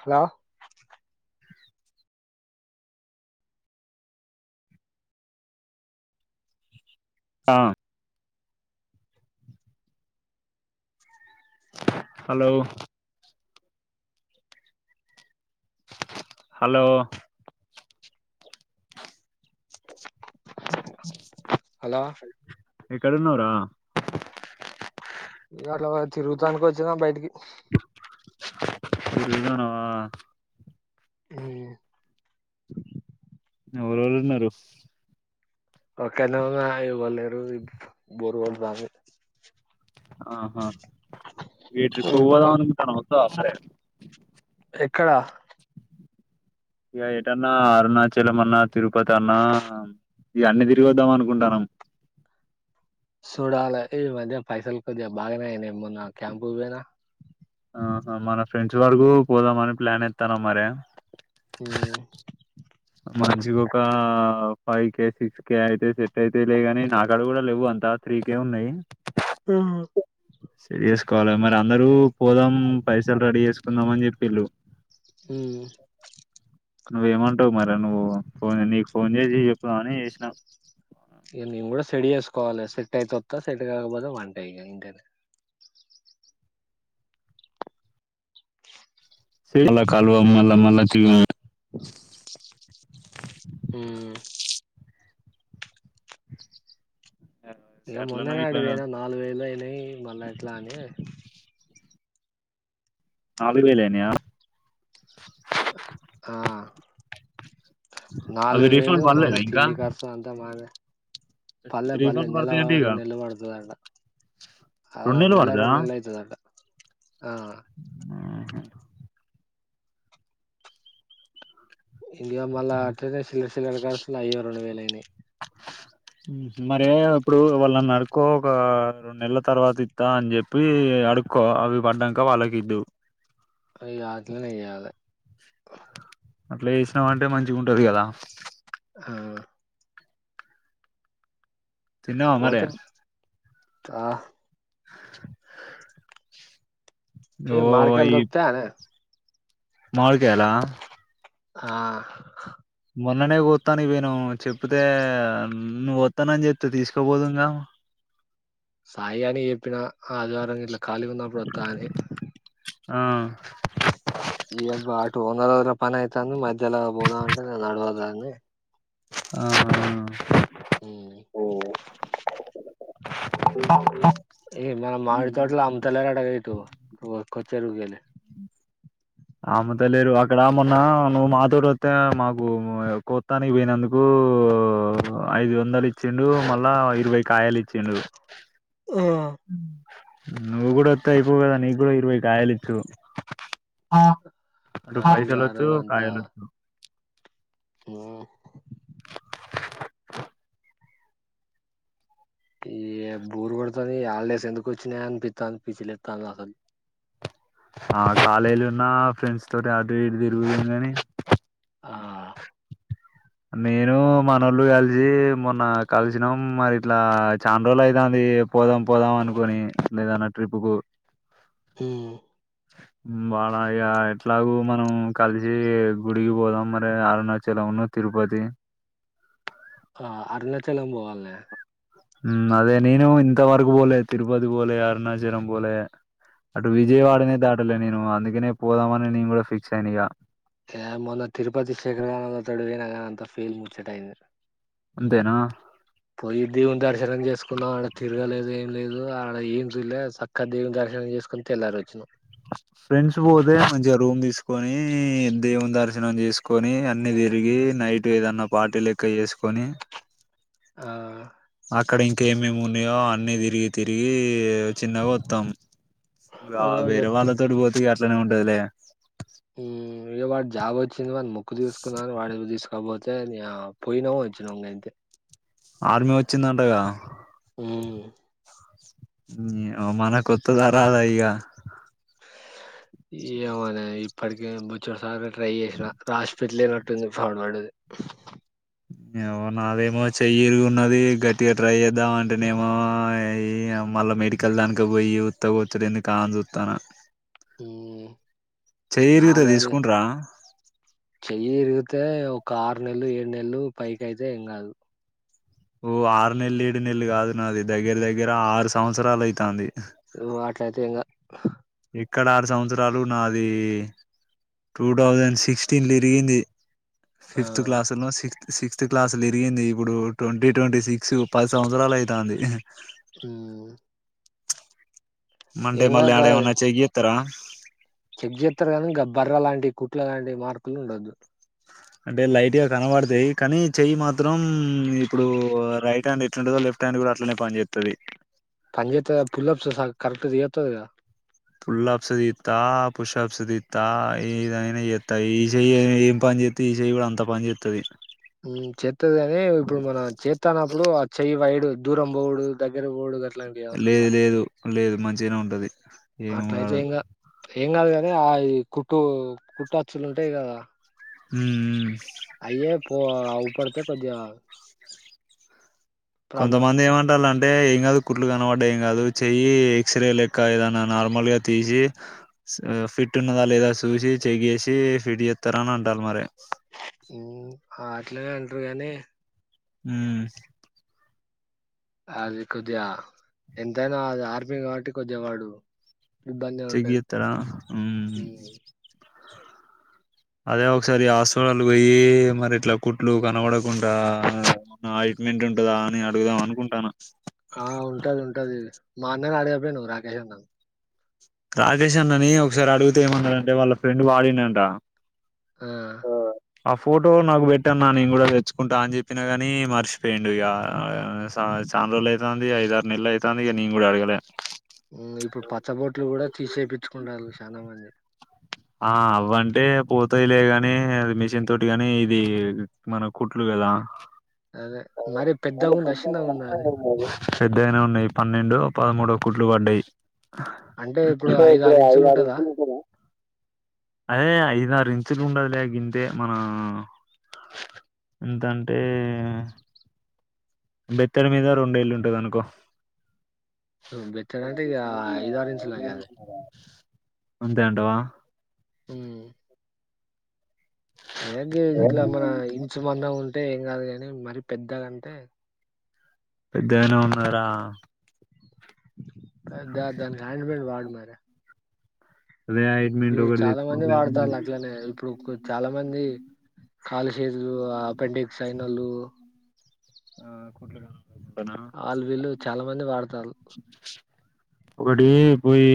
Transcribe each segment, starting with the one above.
Hello ఆ hello hello hello ఎక్కడున్నవరా ఎ అట్ల వడ్ తిరుగుతానికి వచ్చిన బయిటికి తిరుగుతన్నవః హ్మ్ ఎవరెవరు ఉన్నారు ఒకన్నే ఉన్నా ఎవర్ లేరు బోర్ గొడ్తంది ఆహా వి ట్రిప్పు పొందమనుకుంటున్నా ఒస్తవ క్కడ ఇగ ఏటన్నా అరుణాచలం అన్నా తిరుపతి అన్నా ఇవన్నీ తిరిగి వద్దాం అనుకుంటాన్నాం చూడాలే ఈ మధ్య పైసల్ కొద్దిగా బాగానే అయినాయి మొన్న క్యాంపు పోయినా ఆహ మన ఫ్రెండ్స్ వరకు పోదామని ప్లాన్ ఇస్తాను మరే హమ్ మంచిగా ఒక ఫైవ్ కే సిక్స్ కే అయితే సెట్ అయితే లే ని నా కాడ కూడా లేవు అంతా త్రీ కే ఉన్నాయి మ్మ్ సరియస్ కాల్ అమ అందరూ పోదాం పైసలు రెడీ చేసుకుందాం అని చెప్పిళు మ్మ్ నువ్వు ఏమంటావ్ మారే నువ్వు ఫోన్ నీకు ఫోన్ చేసి చెప్పుదామని చేసినాం స్టడి చేసుకోవాలి సెట్ అయితు వత్త సెట్గాపోద వంట ఇ ఇ స మల్ కాలువ మల్ళ మళ్ళ చ మ్మ్ ఇక మొన్న ఎట్లనో ఇట్లా నాడునా నాలుగు వేలు అ మళ్ళ ఇట్లాని నాలుగు వెలేనేయా ఆ అవి నాలుగు రీఫండ్ వేలు పడలేదా మళ్ళా ఇంకా తిండి ఖర్సుా అంతా మాదే పల్లె పల్లె రీఫండ్ నెల పడతాయి అంటే ఇక వ నెలబడుతుంద అంట ఆ రెండు నెలలు నెల పడతదా రెండు నెలలు అయితాది అంటా ఇంక మళ్ళ అటెండెన్సీ లిస్ట్ చి కాలు అయ్యో రెండు వేల అయిన్నాయి మరే ఇప్పుడు వాళ్ళని నడుకో ఒక రెండు నెలల తర్వాత ఇస్తా అని చెప్పి అడుకో అవి పడ్డాక వాళ్ళకి ఇద్దు ఇక అట్లానే చేయాలి అట్లా చేేసినా అంటే మంచిగా ఉంటది కదా ఆ తిన్నావా మరే పోతే ఆ [inaudible] ఫ ఓ మామిడికాయల దోరుకుతాయనే మామిడి కాయలా ఆ మొన్ననే కోస్తాను పోయిన్నాం చెప్తే నువ్వు వస్తానని చెప్తే తీసుకోపోదు ఇంకా సాయి అని చెప్పిన ఆ ఆదివారం ఇట్లా ఖాళిగా ఉన్నప్పుడు తారే ఆ ఈ అబ్బ ఆటు ఓనర్ పన అయితా అని మధ్యలో పోదా అంట నడవద అని ఆ హమ్ ఏ మన మామిడి ఆ తోటలు అముతలేరాట ఇ కొచ్చరుగుగాలి అమ్ముతలేరు అక్కడ మొన్నా నువ్వు మాతోటి వస్తే మాకు కొత్తానికి పోయినందుకు ఐదు వందలు ఇచ్చిండు మళ్ళా ఇరవై కాయలు ఇచ్చిండు ఆ ఉమ్ నువ్వు కూడా అత్తే అయిపావ్ కదా నీ కూడా అయిదు కాయలిత్తూరు అటు ఆ ఇగ ఆ పైసలచ్చు కాయలచ్చు ఆ ఈ బోరు కొడతాది హాలిడేస్ ఎందుకు వచ్చినాయా అనిపిస్తాని పిచ్చిలేస్తానది అసలు ఆ కాలేజీలు ఉన్నా ఫ్రెండ్స్ తోటి అటు ఇటు తిరుగుతుంది గాని ఆ నేను మనోళ్ళు కలిసి మొన్న కలిసినాం మరి ఇట్లా చానా రోజులు అవుతుంది పోదాం పోదాం అనుకోని లేదన్న ట్రిప్ కు ఉమ్ వాళ్ళు ఎట్లాగ మనం కలిసి గుడికి పోదాం మరి అరుణాచలం అన్న తిరుపతి ఆ అరుణాచలం పోవాలే ఉమ్ అదే నేను ఇంతవరకు పోలే తిరుపతి పోలే అరుణాచలం పోలే అటు ఈ- విజయవాడనే దాడులేనే అందుకనే పోదామని నేను కూడా ఫిక్స్ అయిన ఇగా ఏ మొన్న తిరుపతి శేఖరగానోల్ల తోటి పోయిన కదా అంత ఫీల్ ముచ్చటయి అంతేనా పోయి దేవుని దర్శనం చేసుకున్నా ఆడ తిరగలేదు ఏం లేదు ఆడ ఏం చూళ్ళేదు చక్కా దేవుని దర్శనం చేసుకొని తెల్లారు వచ్చినా ఫ్రెండ్స్ పోతే మంచిగా రూమ్ తీసుకొని దేవుని దర్శనం చేసుకొని అన్ని తిరిగి నైట్ ఏదన్నా పార్టీ లెక్క చేసుకొని ఆ అక్కడ ఇంకేమేమి ఉన్నాయో అన్ని తిరిగి తిరిగి చిన్నగా వస్తాం ఆ వేర వాళ్ళా తోడు బోతు గారు ఉండలే ఏ వాడు జాబోచ్చంది ము క్ తీసుకున్నారు వాడి తీసు అక్కపోతే పోయినాము వచ్చినాము అంతే ఆర్మీ వచ్చిందంటగా ఉమ్ న అ మన కొత్తదా రాదా ఇగ ఏమోనా ఇప్పటికే బచ్చ స ట్రై చేసి రాష్ట్ర ఫిట్ లేనట్టుంది పాాన్ వాడేది మో నాదేమో చెయ్యిరు ఉన్నది గట్టిగా ట్రై చేద్దాం అంటేనేమో మళ్ళా మెడికల్ దానిక పోయి ఉత్త కూచ్చలేందు కా చూస్తాను హ చేయరిగితే తీసుకుంట్రా చెయ్యి ఇరిగితే ఒక ఆరు నెలలు ఏడు నెలలు పైకి అయితే ఏం కాదు ఓ ఆరు నెలలు ఏడు నెలలు కాదు నాది దగ్గర దగ్గర ఆరు సంవత్సరాలు అవుతుంది అట్లాయితే ఇంగా ఆ ఇక్కడ ఆరు సంవత్సరాలు నాది టూ థౌజండ్ సిక్స్టీన్ తరిగింది ఆ ఫిఫ్త్ క్లాస్ లో సిక్స్త్ సిక్స్త్ క్లాస్లో విరిగింది ఇప్పుడు ట్వంటీ ట్వంటీ సిక్స్ పది సంవత్సరలు అయితాంది ఊ మండే మళ్లా గా ఆడేమన్నా చేయత్తరా. చెక్ చేత్తారు కదా గా బర్ర లాంటి కుట్ల లాంటి మార్కులు ఉండొద్దు అంటే లైట్ గా కనబడతాయి కానీ చెయ్యి మాత్రం ఇప్పుడు రైట్ హ్యాండ్ ఎట్లాంటందో లెఫ్ట్ హ్యాండ్ కూడా అట్లనే పనిచేత్తది. పంజేత పులప్స్ సా కరెక్ట్ తీయత్తది గదా పుల్లప్సదిస్తా పుష్ప్స్ దిత్తా ఏదైనా చేత్త ఈ చేయ్ ఏం పని చే్తే ఈ చేయి కూడా అంత పని చేత్తది ఊ చేత్తది గని ఇప్పుడు మనం చేత్తానప్పుడు ఆ చెయ్యి వైడు దూరం బోవుడు దగ్గర బోవుడు గ లేదు ఏమనుందా లేదు లేదు మంచిగానే ఉంటది. ఏం కాదు ఏం కాదు కద ఆ కుట్టు కుట్ట అచ్చులు ఉంటాయి కదా. ఉమ్ అయ్యే పో అవుపడితే కొద్దిగ కొంతమంది ఏమంటాలంటే అంటే ఏం కాదు కుట్లు కన వడ్డ ఏం కాదు చెయ్య ఎక్స్రే లెక్క ఏదన్నా నార్మల్గా తీసి ఫిట్ ఉన్నదా లేదా చూసి చెక్ చేసి ఫిట్ చేస్తారని అంటాళ్లు మరి. ఉ అట్లనే అంటారు గానీ ఉ అది కొద్దిగా ఎంతైనా అది ఆర్మీ కాబట్టి కొద్దిగా వాడు ఇబ్బందే చెక్ ఉంటది. జేత్తరా ఉ హ్మ్. అదే ఒకసారి హాస్పిటల్ కి పోయి మరి ఇట్లా కుట్లు కనబడకుంటా ఏమన్నా ఆయింట్మెంట్ ఉంటదా అని అడుగుదాం అనుకుంటాన. ఆ ఉంటది ఉంటది మా అన్నను అడగకపోయినవ్ రాకేష్ అన్నను రాజేష్ అన్నని ఒకసారి అడుగితే ఏమంటారంటే వాళ్ళ ఫ్రెండ్ వాడిండంట ఆ ఆ ఫోటో నాకు పెట్టన్నా నేను కూడా తెచ్చుకుంటా అని చెప్పినా గాని మర్చిపోయిండు ఇగ చాల రోజులు అవుతుంది ఐద ఆారు నెలలు అయితాంది ఇగ నేను కూడా అడగలే. ఇప్పుడు పచ్చ బో ట్లు కూడా తీసేపించుకుంటాళ్ళు. చాలా మంది ఆ అవ్వంటే పోతాయిలే గాని మిషన్ తోటి గాని ఇది మన కుట్లు కదా అదే మరి పెద్దగా ఉందా చిన్నగా ఉందా అది పెద్దగనే ఉన్నాయి పన్నెండో పదమూడో కుట్లు పడ్డాయి. అంటే ఇప్పుడు పోగ్రా ఇంచులు ఐదారు ఉంటదా? అ హే ఐదు ఆరు ఇంచులు ఉండదులే గింతే మన ఎంతంటే బెత్తడి మీద రొండేళ్ళుంటది అనుకో బెత్తడంటే ఇగ ఐదారు ఇంచులే గాదే అంతే అంటావా హుమ్ ఏ గి ఇట్లా మన ఇంచు మందం ఉ ఉంటే ఏం కాదు కాని మరి పెద్దగాంటే పెద్దగనే ఉన్నదిరా పె దా దా ఆయింట్ మెంట్ వాడు మరే అదే ఆయింట్మెంట్ ఇప్పుడు ఒకటి చాలా మంది తెచ్చుకుంటే వాడతాల్లట్లనే ఇప్పుడు చాలా మంది కాళ్లు చేతులు ఆ అప్పెండిక్స్ అయినోళ్ళు ఆ కుట్లు కానుకుంటానా వాళ్లు వీళ్లు చాలా మంది వాడతాల్లు ఒకటీ పోయి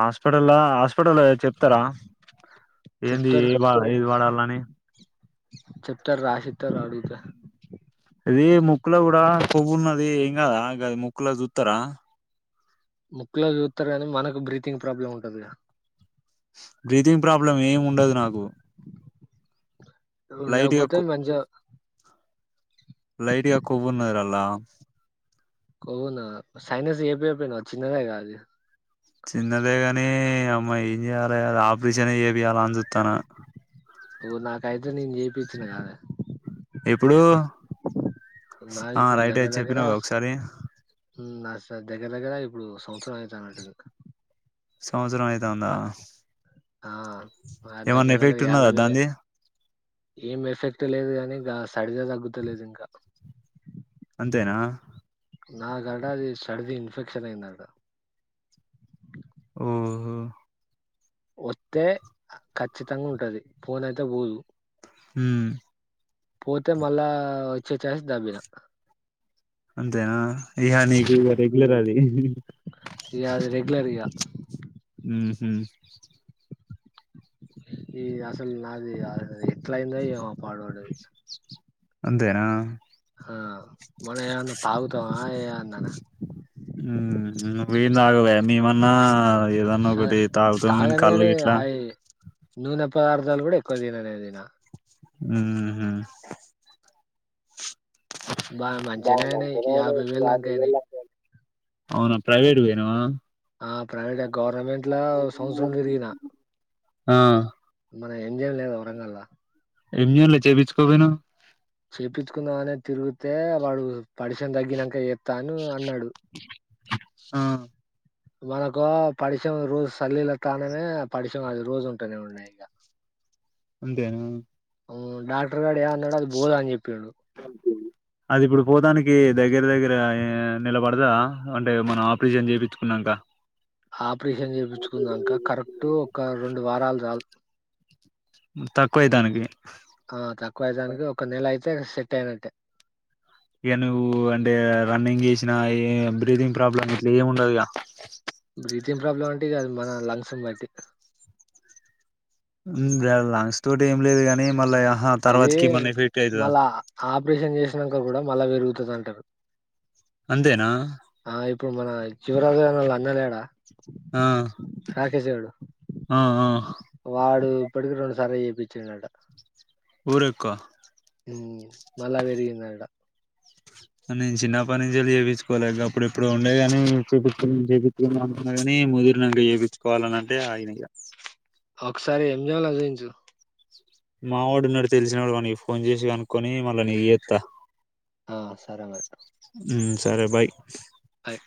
హాస్పటల్లా హాస్ స్పటలా చెప్తారా ఏంది చెప్తారు ఏది వాడాలని చెప్తారు రాసిత్తారు అడుగుతే ఇది ముక్కుల కూడా కొవ్వు ఉన్నది ఏం కాదా గాదిముక్కుల సూత్తరా ముక్కుల చూస్తారు గాని మనకు బ్రీతింగ్ ప్రాబ్లం ఉంటదిగా బ్రీతింగ్ ప్రాబ్లం ఏం ఉండదు నాకు లైట్ గా ఉండకపోతే మంచిగా లైట్ గా కొవ్వు ఉన్నదిరా అల్లా కొవ్వున్నదా సైనస్ చేపియపోయినవ్ చిన్నదే కదా అది చిన్నదే కానీ అమ్మా ఏం చేయాలే ఆపరేషన్ చేపియాలా అని చూస్తాన ఓ నాకైతే నేను చేపించిన కాదే ఎప్పుడూ నాది ఆ ఇప్పుడు రైటే దగ్గర దగ్గర చెప్పినవ్ గా ఒకసారి నా దగ్గర దగ్గర ఇప్పుడు సంవత్సరం అయితాన్నట్టుంది సంవత్సరం అయితాందా ఆ దగ్గర ఏమన్నా దగ్గర ఎఫెక్ట్ యాభై ఉన్నదా దాంది వేలయినాయి ఏం ఎఫెక్ట్ లేదు కాని గా సరిదే తగ్గుతలేదింకా అంతేనా నాకట అది సడిది ఇన్ఫెక్షన్ అయిందట ఓహొ వస్తే ఖచ్చితంగా ఉంటది పోనైతే పోదు ఉమ్ పోతే మళ్ళా వచ్చే చాయిస్ దబ్బిన అన్ తెనా ఇగ నీక్ ఇగ ఉమ్, రెగ్యులర్ అదీ ఇక అది రెగ్యులర్ ఇక ఊహు ఈ అసలు నాది ఎట్లా అయిందో ఏమో పాడుబడ్డది అంతేనా ఆ మనమేమన్న తాగుతా ఆయే అన్నాన మ్మ్ వీనదగదయ్యా మీమన్నా ఏదన్నా సరే ఒకటి తాగుతాం కానీ తాగను కళ్ళు కాని ఇట్లా అవి నూనె పదార్థాలు కూడా ఎక్కువ తిననే తినా ఊ హు బాగా బా మంచిగానే అయినాయి మంచినేయనా వేలు దాకా యాభై అయినాయి వెళ్దకయినాయి అవునా. ప్రైవేట్ పోయినావా ఆ ప్రైవేట్ గవర్నమెంట్ల సంవత్సరం తిరిగినా ఆ మనం ఏంజేయాలో ఏమో వరంగల్లా ఎమి చేయాలే చేపించుకు పోటీనావ్. చేపించుకొందమనే తిరిగితే వాడు పడిసం తగ్గినాక చేతాను అన్నాడు. [unintelligible] ఆ మనకు పడిషం రోజు సల్లీల తాననే పడిశం అది రోజు ఉంటేనే ఉన్నాయి ఇంక. అంతేనా డాక్టర్ గాడు ఏమన్నా అడు అది బోదా అని చెపిండు. అది ఇప్పుడు పోదానికి దగ్గర దగ్గర నిలబడదా. అంటే మనం ఆపరేసన్ చేపించుకొన్నాంకా. ఆపరేషన్ చేయిపించుకున్నాంక కరెక్టూ ఒక రెండు వారాలు చాలు తక్కువై దానికి తే సెట్ అయినటే ఇక నువ్వు అంటే రన్నింగ్ చేసినా ఏ బ్రీథింగ్ ప్రాబ్లమ్ ఇట్లా ఏమి ఉండదు ఇక. బ్రీతింగ్ ప్రాబ్లం అంటే కాదు మన లంగ్స్ను బట్టి మ్మ్ లాంగ్ స్టో ఏం లేదుగాని మళ్ళ హా ఇది తర్వాతకి ఏమన్నా ఎఫిక్ట్ అవుతదా. మళ్ళా ఆపరేషన్ చేసినాక కూడా మళ్ళ పెరుగుతుంది అంటారు. అంతేనా ఆ ఇప్పుడు మన చివరాజుగా అన్న లేడా ఆ నాకేసాడు ఆ ఆ వాడు ఇప్పటికి రెండు సార్ల చేపిచ్చాడంట. ఊరక్కా ఊ మళ్ళ పెరిగిందట. నేను చిన్నప్పటి నుంచెల్లి చేపించుకోలే, గప్పుడు ఎప్పుడో ఉండేగాని చేపించు చేపించుకుంటా అనుకున్నాగాని ముదిరినంక చేపించుకోవాలని అంటే ఆగిన. ఒక్కసారి ఎంజంల చూఇంచు మా వాడున్నాడు తెలిసినోడు వానకి ఫోన్ చేసి కనుక్కోని మళ్ళా నీకు చేత్తా. ఆ సరే మరి సరె బయ్ బయ్